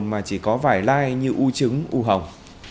mà chỉ có vải lai như u trứng u hồng